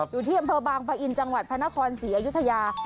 อยู่ที่อำเภอบางปะอินจังหวัดพระนครศรีอยุธยา